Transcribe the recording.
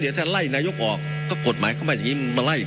เหนื่อยังทำหมายนายกบินมารัย